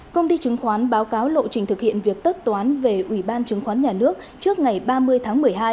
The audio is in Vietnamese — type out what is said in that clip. công ty chứng khoán báo cáo lộ trình thực hiện việc tất toán về ubnd trước ngày ba mươi tháng một mươi hai